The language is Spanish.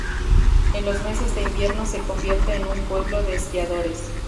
En los meses de invierno se convierte en un pueblo de esquiadores.